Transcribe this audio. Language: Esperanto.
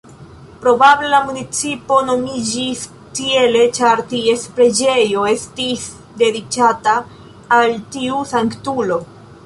Probable la municipo nomiĝis tiele ĉar ties preĝejo estis dediĉata al tiu sanktulo.